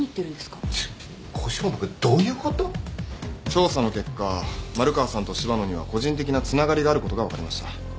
調査の結果丸川さんと柴野には個人的なつながりがあることが分かりました。